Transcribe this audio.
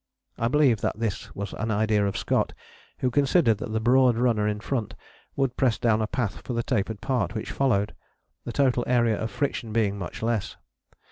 I believe that this was an idea of Scott, who considered that the broad runner in front would press down a path for the tapered part which followed, the total area of friction being much less.